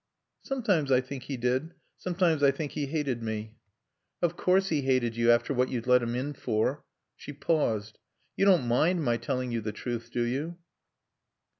"Sometimes I think he did. Sometimes I think he hated me." "Of course he hated you, after what you'd let him in for." She paused. "You don't mind my telling you the truth, do you?"